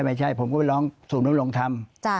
ไม่ใช่ผมก็ไปร้องศูนย์ดำรงธรรม